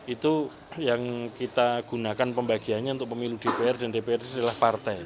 itu yang kita gunakan pembagiannya untuk pemilu dpr dan dpr itu adalah partai